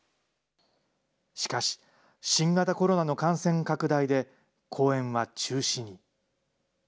しかし、新型コロナの感染拡大で、公演は中止に。